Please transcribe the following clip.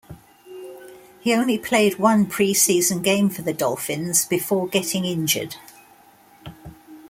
He only played one preseason game for the Dolphins before getting injured.